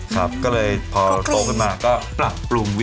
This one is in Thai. ครับก็เลยพอโตขึ้นมาก็ปรับปรุง